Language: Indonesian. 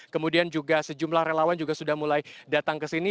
kemudian juga sejumlah relawan juga sudah mulai datang ke sini